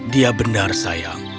dia benar sayang